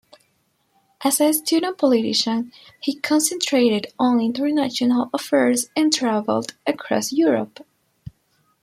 As a student politician he concentrated on international affairs and travelled across Europe.